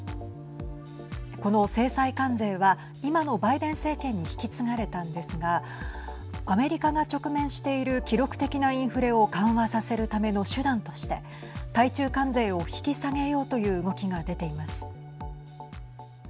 この制裁関税は今のバイデン政権に引き継がれたんですがアメリカが直面している記録的なインフレを緩和させるための手段として対中関税を引き下げようという動きが出ています。